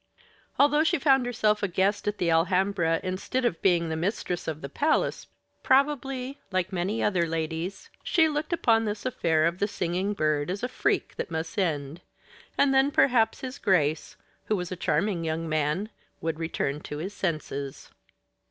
Although she found herself a guest at the Alhambra instead of being the mistress of the palace, probably, like many other ladies, she looked upon this affair of the singing bird as a freak that must end and then perhaps his Grace, who was a charming young man, would return to his senses.